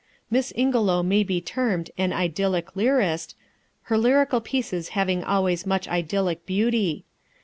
Miss Ingelow may be termed an idyllic lyrist, her lyrical pieces having always much idyllic beauty.